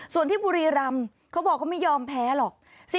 ส่วนที่บุรีรำเขาบอกเขาไม่ยอมแพ้หรอก